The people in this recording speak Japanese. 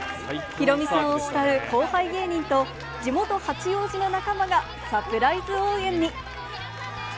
ヒロミさんを慕う後輩芸人と、地元、八王子の仲間がサプライズ応援に。